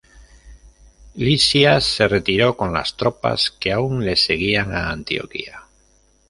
Lisias se retiró con las tropas que aún le seguían a Antioquía.